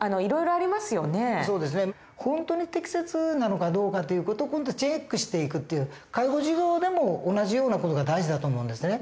本当に適切なのかどうかっていう事をチェックしていくっていう介護事業でも同じような事が大事だと思うんですね。